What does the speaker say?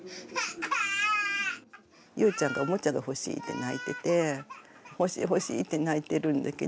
ゆうちゃんがおもちゃが欲しいって泣いてて欲しい欲しいって泣いてるんだけど